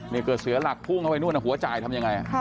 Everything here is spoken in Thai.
นี่เกิดเสียหลักพุ่งเข้าไปนู่นหัวจ่ายทำยังไง